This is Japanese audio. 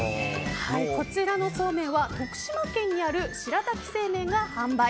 こちらのそうめんは徳島県にある白滝製麺が販売。